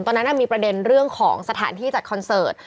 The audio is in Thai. ตอนนั้นมีประเด็นเรื่องของสถานที่จัดคอนเสิร์ต